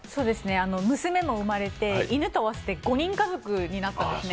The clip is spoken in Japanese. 娘も生まれて、犬と合わせて５人家族になったんですね。